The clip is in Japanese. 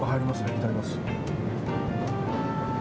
いただきます。